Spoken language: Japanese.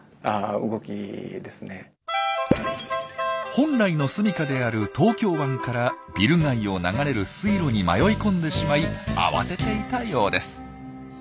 本来のすみかである東京湾からビル街を流れる水路に迷い込んでしまい慌てていたようです。